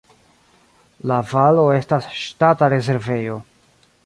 La valo estas ŝtata rezervejo.